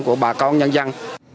của bà con nhân dân